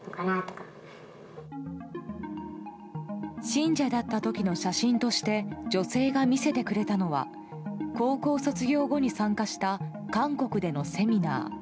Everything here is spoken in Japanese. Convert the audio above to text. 信者だった時の写真として女性が見せてくれたのは高校卒業後に参加した韓国でのセミナー。